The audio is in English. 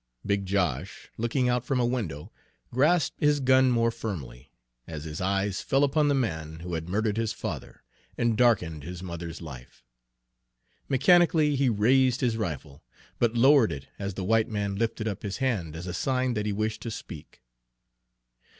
Big Josh, looking out from a window, grasped his gun more firmly, as his eyes fell upon the man who had murdered his father and darkened his mother's life. Mechanically he raised his rifle, but lowered it as the white man lifted up his hand as a sign that he wished to speak.